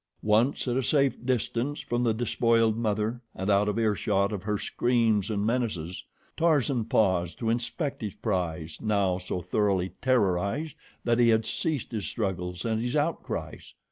Once at a safe distance from the despoiled mother and out of earshot of her screams and menaces, Tarzan paused to inspect his prize, now so thoroughly terrorized that he had ceased his struggles and his outcries.